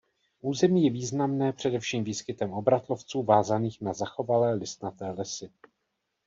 Území je významné především výskytem obratlovců vázaných na zachovalé listnaté lesy.